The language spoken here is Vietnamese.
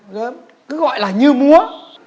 gớm cứ gọi là như múa